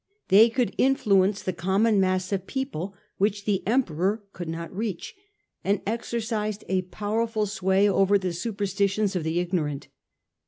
They could influence the common mass of people, which the Emperor could not reach, and exercised a powerful sway over the superstitions of the ignorant.